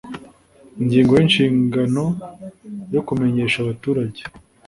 ingingo y'inshingano yo kumenyesha abaturage